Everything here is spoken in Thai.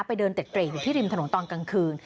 ไปเดินเต็กเกรกอยู่ที่ริมถนนตอนกลางคืน